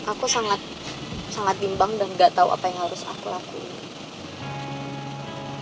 aku sangat bimbang dan gak tahu apa yang harus aku lakuin